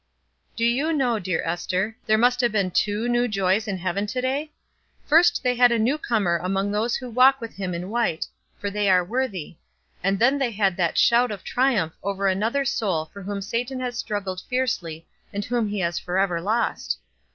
"Do you know, dear Ester, there must have been two new joys in heaven to day? First they had a new comer among those who walk with him in white, for they are worthy; and then they had that shout of triumph over another soul for whom Satan has struggled fiercely and whom he has forever lost."